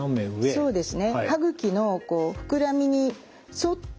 そうですね。